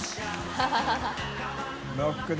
ハハハ